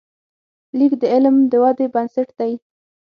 لیک د علم د ودې بنسټ دی.